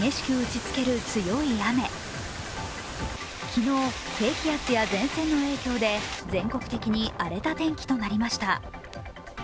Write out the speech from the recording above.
昨日、低気圧や前線の影響で全国的に荒れた天気となりました。